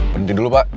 pendidik dulu pak